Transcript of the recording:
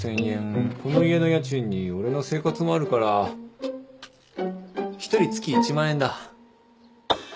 この家の家賃に俺の生活もあるから１人月１万円だ。